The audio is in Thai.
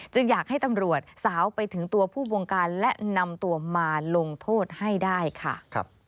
อยากให้ตำรวจสาวไปถึงตัวผู้บงการและนำตัวมาลงโทษให้ได้ค่ะ